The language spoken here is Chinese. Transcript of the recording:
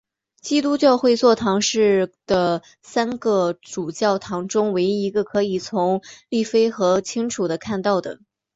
基督教会座堂是的三个主教座堂中唯一一个可以从利菲河清楚地看到的。